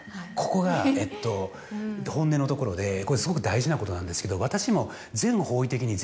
ここが本音のところでこれすごく大事なことなんですけど。